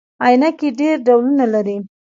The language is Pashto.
عینکي ډیر ډولونه لري